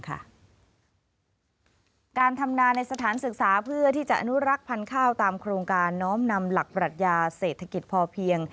การทำนาในสถานศึกษาเพื่อที่จะอนุรักษ์พันธุ์ข้าวตามโครงการน้อมนำหลักปรัชญาเศรษฐกิจพอเพียง